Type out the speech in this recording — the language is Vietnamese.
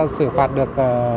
sử phạt được